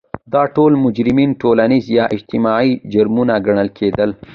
دا ټول جرمونه ټولنیز یا اجتماعي جرمونه ګڼل کېدل.